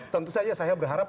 tentu saja saya berharap